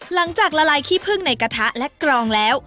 ละลายขี้พึ่งในกระทะและกรองแล้ว